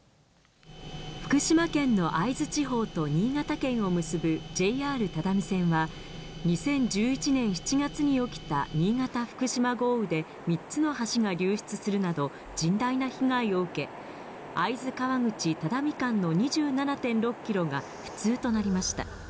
福島県の会津地方と新潟県を結ぶＪＲ只見線は、２０１１年７月に起きた新潟・福島豪雨で３つの橋が流出するなど、甚大な被害を受け、会津川口・只見間の２７．６キロが普通となりました。